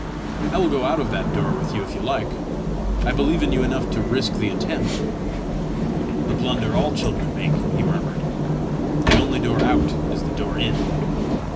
"I will go out of that door with you if you like: I believe in you enough to risk the attempt." "The blunder all my children make!" he murmured. "The only door out is the door in!"